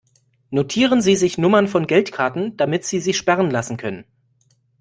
Notieren Sie sich Nummern von Geldkarten, damit sie sie sperren lassen können.